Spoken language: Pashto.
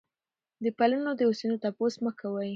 د پلونو د اوسپنو تپوس مه کوئ.